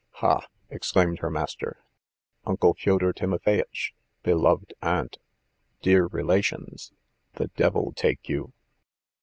"Ha!" exclaimed her master. "Uncle Fyodor Timofeyitch! Beloved Aunt, dear relations! The devil take you!"